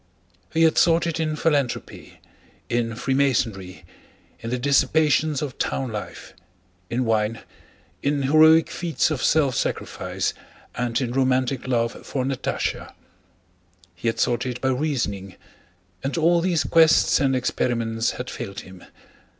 He had sought it in philanthropy, in Freemasonry, in the dissipations of town life, in wine, in heroic feats of self sacrifice, and in romantic love for Natásha; he had sought it by reasoning—and all these quests and experiments had failed him.